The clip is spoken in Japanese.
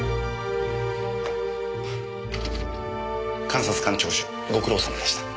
監察官聴取ご苦労さまでした。